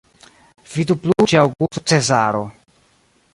Vidu plu ĉe Aŭgusto Cezaro.